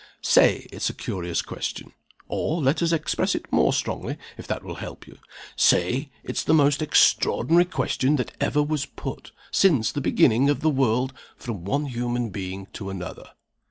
Say it's a curious question. Or let us express it more strongly, if that will help you. Say it's the most extraordinary question that ever was put, since the beginning of the world, from one human being to another."